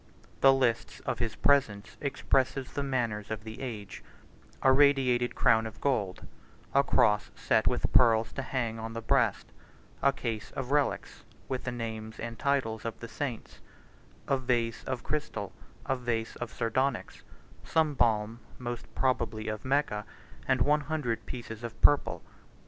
The lists of his presents expresses the manners of the age—a radiated crown of gold, a cross set with pearls to hang on the breast, a case of relics, with the names and titles of the saints, a vase of crystal, a vase of sardonyx, some balm, most probably of Mecca, and one hundred pieces of purple.